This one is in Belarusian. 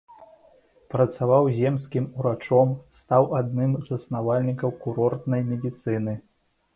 Працаваў земскім урачом, стаў адным з заснавальнікаў курортнай медыцыны.